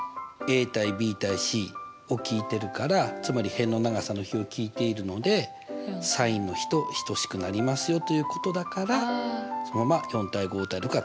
ｂ：ｃを聞いてるからつまり辺の長さの比を聞いているのでｓｉｎの比と等しくなりますよということだからそのまま４：５：６が使えましたと。